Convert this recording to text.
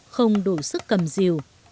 không đủ sức cầm diều